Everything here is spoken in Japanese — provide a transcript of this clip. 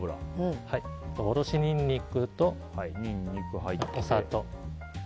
おろしニンニクとお砂糖。